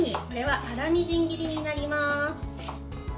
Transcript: これは粗みじん切りになります。